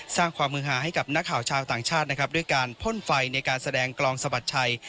สร้างความมือหาให้กับนักข่าวชาวต่างชาตินะครับด้วยการพ่นไฟในการแสดงกลองสะบัดชัย